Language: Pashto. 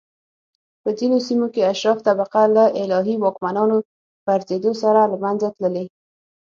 په ځینو سیمو کې اشراف طبقه له الهي واکمنانو پرځېدو سره له منځه تللي